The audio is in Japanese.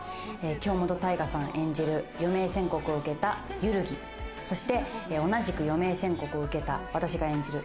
京本大我さん演じる余命宣告を受けた萬木、そして、同じく余命宣告を受けた私が演じる